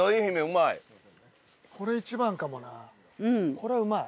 これうまい。